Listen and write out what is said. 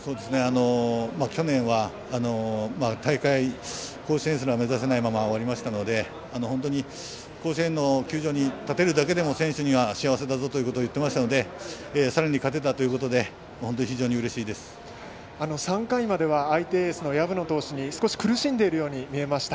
去年は甲子園すら目指せないまま終わりましたので本当に甲子園の球場に立てるだけでも選手には幸せだぞということを言っていましたのでさらに勝てたということで３回までは相手エースの薮野投手に苦しんでいるように見えました。